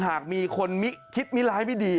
หากมีคนคิดมิร้ายไม่ดี